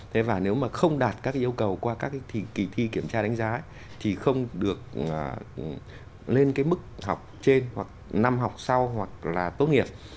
thế và nếu mà không đạt các cái yêu cầu qua các cái kỳ thi kiểm tra đánh giá thì không được lên cái mức học trên hoặc năm học sau hoặc là tốt nghiệp